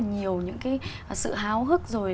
nhiều những cái sự háo hức rồi